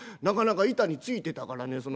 なかなか板についてたからね